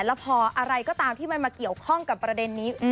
แล้วพออะไรก็ตามที่มันมาเกี่ยวข้องกับประเด็นนี้